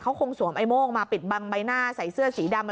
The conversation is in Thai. เขาคงสวมไอ้โม่งมาปิดบังใบหน้าใส่เสื้อสีดำ